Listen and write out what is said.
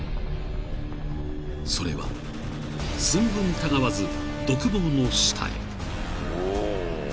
［それは寸分たがわず独房の下へ］